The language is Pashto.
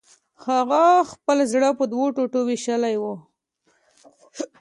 هغه خپل زړه په دوو ټوټو ویشلی و